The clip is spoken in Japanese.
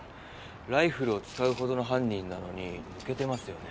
ライフルを使うほどの犯人なのに抜けてますよね。